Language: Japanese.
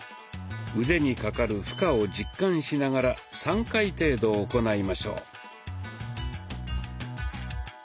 腕にかかる負荷を実感しながら３回程度行いましょう。